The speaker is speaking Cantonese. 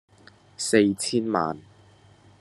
四千萬